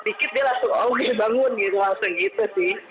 dikit dia langsung oh gitu